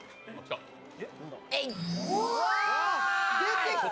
出てきた！